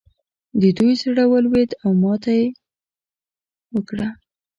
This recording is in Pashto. د دوی زړه ولوېد او ماته یې وکړه.